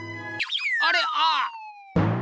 あれああ！